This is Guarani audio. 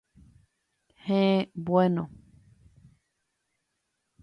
Héẽ, bueno.